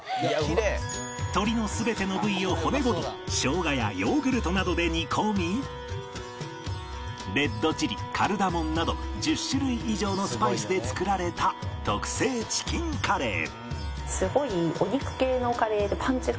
鶏の全ての部位を骨ごとショウガやヨーグルトなどで煮込みレッドチリカルダモンなど１０種類以上のスパイスで作られた特製チキンカレー